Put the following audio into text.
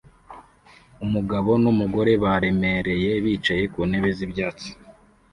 Umugabo n'umugore baremereye bicaye ku ntebe z'ibyatsi